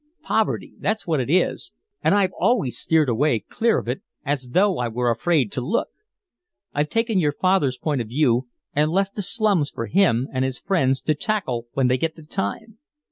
Poverty, that's what it is, and I've always steered way clear of it as though I were afraid to look. I've taken your father's point of view and left the slums for him and his friends to tackle when they get the time.